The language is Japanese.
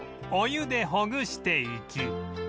お湯でほぐしていき